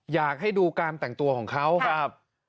อยากให้ดูการแต่งตัวของเขาครับ